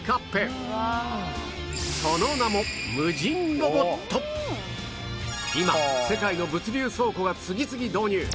その名も今世界の物流倉庫が次々導入！